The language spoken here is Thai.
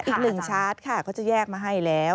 อีกหนึ่งชาร์จค่ะเขาจะแยกมาให้แล้ว